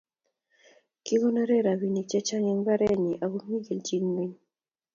Kikonore robinik chechang eng mbarenyii ago mi keljin ngweny